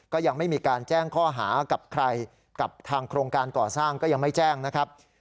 ก็ยังไม่มีการแจ้งข้อหากับใครกับทางโครงการก่อสร้างก็ยังไม่แจ้งนะครับ